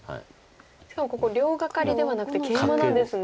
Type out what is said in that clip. しかもここ両ガカリではなくてケイマなんですね。